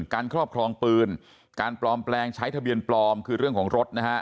ครอบครองปืนการปลอมแปลงใช้ทะเบียนปลอมคือเรื่องของรถนะฮะ